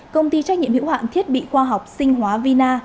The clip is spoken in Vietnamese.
công ty trách nhiệm hữu hạn thiết bị khoa học sinh hóa vina